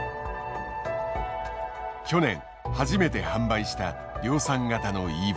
去年初めて販売した量産型のＥＶ。